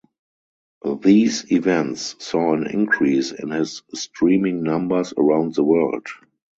These events saw an increase in his streaming numbers around the world.